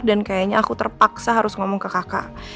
dan kayaknya aku terpaksa harus ngomong ke kakak